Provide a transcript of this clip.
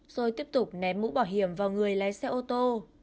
rồi tiếp tục ném mũ bảo hiểm vào người lái xe ô tô